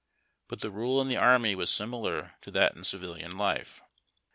But the rule in the army was similar to that in civil life.